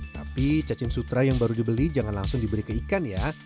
tapi cacing sutra yang baru dibeli jangan langsung diberi ke ikan ya